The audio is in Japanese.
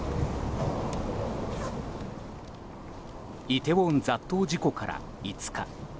イテウォン雑踏事故から５日。